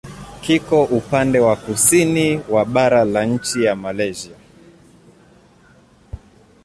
Kiko upande wa kusini wa bara la nchi ya Malaysia.